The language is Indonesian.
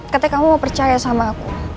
katanya kamu mau percaya sama aku